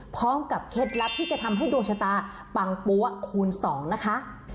เคล็ดลับที่จะทำให้ดวงชะตาปังปั๊วคูณ๒นะคะ